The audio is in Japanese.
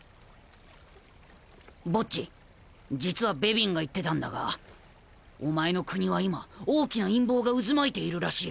ボッジ実はベビンが言ってたんだがお前の国は今大きな陰謀が渦巻いているらしい。